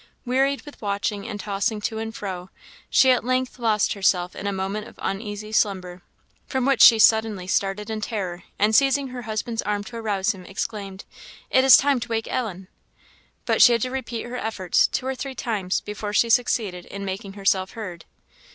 Wearied with watching and tossing to and fro, she at length lost herself a moment in uneasy slumber, from which she suddenly started in terror, and seizing her husband's arm to arouse him, exclaimed, "It is time to wake Ellen!" but she had to repeat her efforts two or three times before she succeeded in making herself heard.